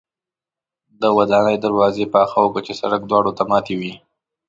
د ودانۍ دروازې پاخه او کچه سړک دواړو ته ماتې وې.